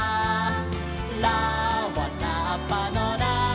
「『ラ』はラッパのラ」